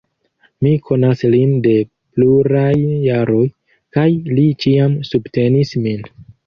Mi konas lin de pluraj jaroj, kaj li ĉiam subtenis min.